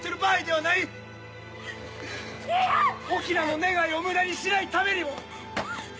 翁の願いを無駄にしないためにも！